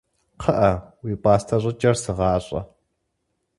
КхъыӀэ, уи пӀастэ щӀыкӀэр сыгъащӀэ!